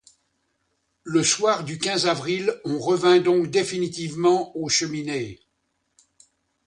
Le soir du quinze avril, on revint donc définitivement aux Cheminées.